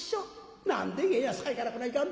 「何で源やん堺から来ないかん。